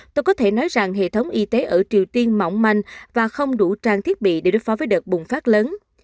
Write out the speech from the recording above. tôi có thể nói rằng hệ thống y tế ở triều tiên mỏng manh và không đủ trang thiết bị để đối phó với đợt bùng phát lớn